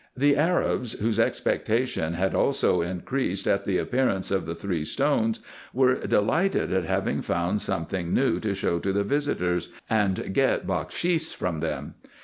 The Arabs, whose expectation had also increased at the appearance of the three stones, were delighted at having found something new to show to the visitors, and get bakshis from them.